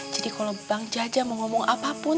jadi kalau bang jajah mau ngomong apapun